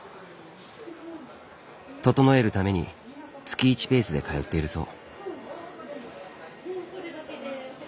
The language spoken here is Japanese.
整えるために月１ペースで通っているそう。